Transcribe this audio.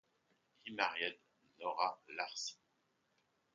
He married Nora Lacy.